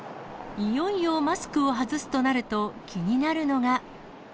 いよいよマスクを外すとなると、気になるのが。